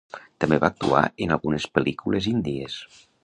També va actuar en algunes pel·lícules índies.